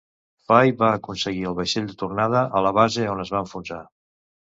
Fay va aconseguir el vaixell de tornada a la base on es va enfonsar.